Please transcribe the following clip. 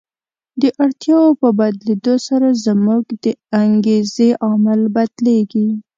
د اړتیاوو په بدلېدو سره زموږ د انګېزې عامل بدلیږي.